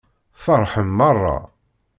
Tfeṛḥem meṛṛa.